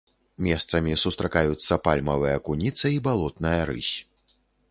Месцамі сустракаюцца пальмавая куніца і балотная рысь.